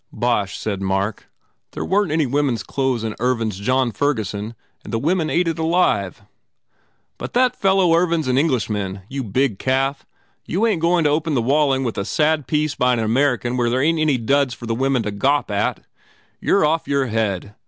"Bosh," said Mark, "there weren t any wom en s clothes in Ervine s John Ferguson and the women ate it alive!" "But that fellow Ervine s an Englishman, you big calf! You ain t going to open the Walling with a sad piece by an American where there ain t any duds for the women to gawp at! You re off your head.